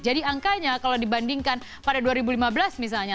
jadi angkanya kalau dibandingkan pada dua ribu lima belas misalnya